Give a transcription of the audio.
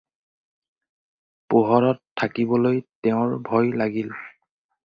পোহৰত থাকিবলৈ তেওঁৰ ভয় লাগিল।